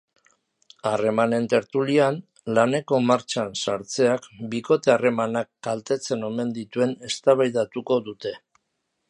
Harremanen tertulian, laneko martxan sartzeak bikote harremanak kaltetzen omen dituen eztabaidatuko dute.